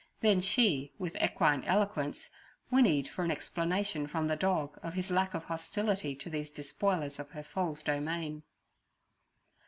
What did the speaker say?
Then she, with equine eloquence, whinnied for an explanation from the dog of his lack of hostility to these despoilers of her foal's domain.